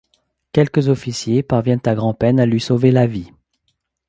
Quelques officiers parviennent à grand peine à lui sauver la vie.